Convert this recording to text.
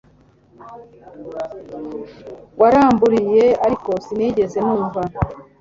Waramburiye ariko sinigeze numva